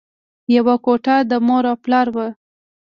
یوه کوټه د مور او پلار وه